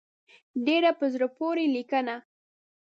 ډېره په زړه پورې لیکنه.